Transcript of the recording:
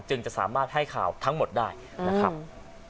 จะสามารถให้ข่าวทั้งหมดได้นะครับ